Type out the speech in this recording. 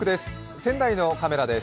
仙台のカメラです。